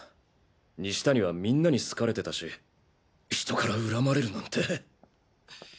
西谷はみんなに好かれてたし人からうらまれるなんて。